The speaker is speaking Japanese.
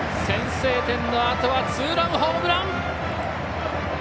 先制点のあとはツーランホームラン！